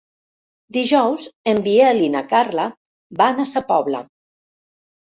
Dijous en Biel i na Carla van a Sa Pobla.